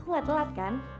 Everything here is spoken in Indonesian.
aku gak telat kan